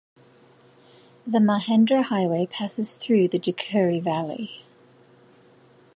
The Mahendra Highway passes through the Deukhuri Valley.